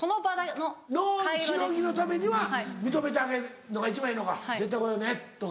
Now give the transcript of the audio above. のしのぎためには認めてあげるのが一番ええのか「絶対来ようね」とか。